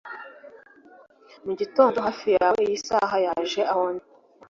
muri iki gitondo, hafi yawe, iyi saha yaje aho ndi